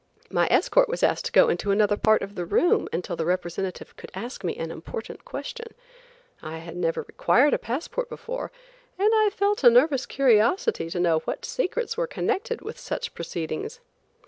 My escort was asked to go into another part of the room until the representative could ask me an important question. I had never required a passport before, and I felt a nervous curiosity to know what secrets were connected with such proceedings.